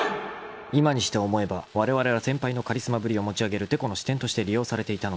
［今にして思えばわれわれは先輩のカリスマぶりを持ち上げるてこの支点として利用されていたのである］